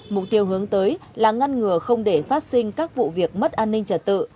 mục tiêu hướng tới là ngăn ngừa không để phát sinh các vụ việc mất an ninh trật tự